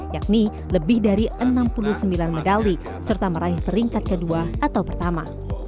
yakni lebih dari enam puluh sembilan medali serta meraih peringkat kedua atau pertama